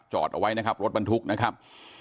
จอดเอาไว้นะครับรถบรรทุกนะครับ